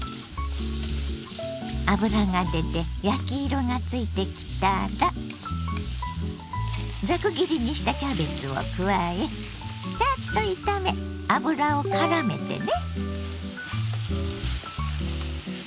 脂が出て焼き色がついてきたらザク切りにしたキャベツを加えサッと炒め脂をからめてね。